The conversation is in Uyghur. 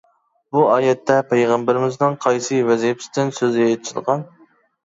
بۇ ئايەتتە پەيغەمبىرىمىزنىڭ قايسى ۋەزىپىسىدىن سۆز ئېچىلغان.